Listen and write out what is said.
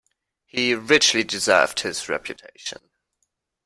He richly deserved his reputation.